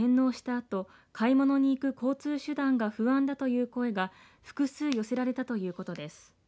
あと買い物に行く交通手段が不安だという声が複数寄せられたということです。